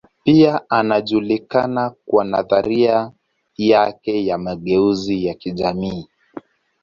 Pia anajulikana kwa nadharia yake ya mageuzi ya kijamii.